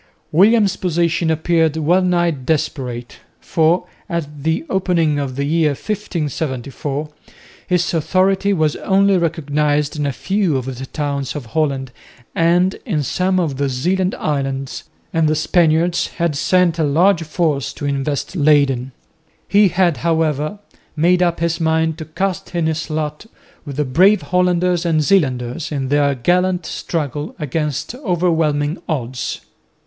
William's position appeared well nigh desperate, for at the opening of the year 1574 his authority was only recognised in a few of the towns of Holland and in some of the Zeeland islands, and the Spaniards had sent a large force to invest Leyden. He had, however, made up his mind to cast in his lot with the brave Hollanders and Zeelanders in their gallant struggle against overwhelming odds.